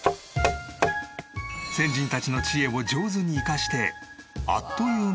先人たちの知恵を上手に生かしてあっという間に骨組みが完成。